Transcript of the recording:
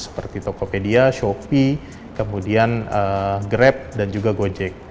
seperti tokopedia shopee kemudian grab dan juga gojek